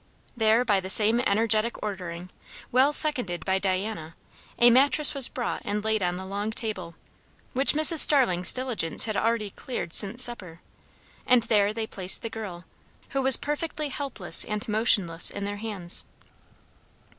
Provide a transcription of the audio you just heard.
There, by the same energetic ordering, well seconded by Diana, a mattress was brought and laid on the long table, which Mrs. Starling's diligence had already cleared since supper; and there they placed the girl, who was perfectly helpless and motionless in their hands.